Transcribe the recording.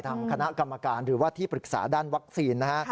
ทางคณะกรรมการหรือว่าที่ปรึกษาด้านวัคซีนนะฮะ